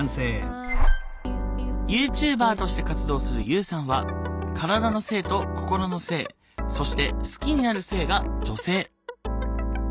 ＹｏｕＴｕｂｅｒとして活動するＵさんは体の性と心の性そして好きになる性が女性。